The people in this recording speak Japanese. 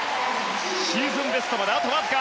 シーズンベストまであとわずか。